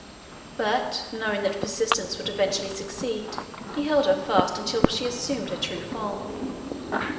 But, knowing that persistence would eventually succeed, he held her fast until she assumed her true form.